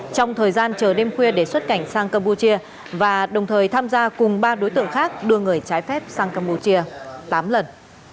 trong thời gian chờ đêm khuya để xuất cảnh sang campuchia và đồng thời tham gia cùng ba đối tượng khác đưa người trái phép sang campuchia tám lần